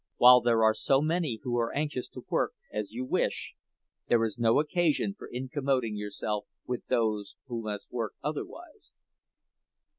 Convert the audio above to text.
While there are so many who are anxious to work as you wish, there is no occasion for incommoding yourself with those who must work otherwise.